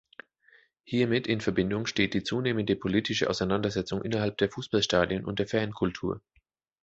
Hiermit in Verbindung steht die zunehmende politische Auseinandersetzung innerhalb der Fußballstadien und der Fankultur.